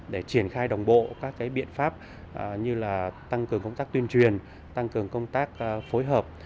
để triển khai đồng bộ các biện pháp như là tăng cường công tác tuyên truyền tăng cường công tác phối hợp